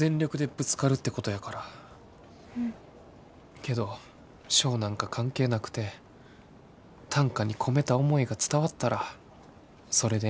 けど賞なんか関係なくて短歌に込めた思いが伝わったらそれでええんやな。